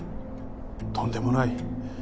とんでもない。